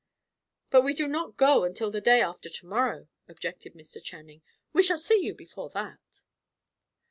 "But, we do not go until the day after to morrow," objected Mr. Channing. "We shall see you before that."